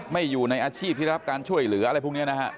อยู่ในอาชีพที่ได้รับการช่วยเหลืออะไรพวกนี้นะฮะ